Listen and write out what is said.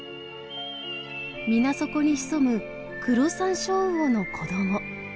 水底に潜むクロサンショウウオの子ども。